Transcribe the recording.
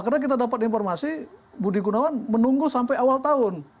karena kita dapat informasi budi gunawan menunggu sampai awal tahun